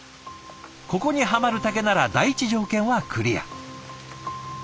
ここにはまる竹なら第１条件はクリア。